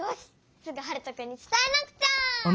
すぐハルトくんにつたえなくちゃ。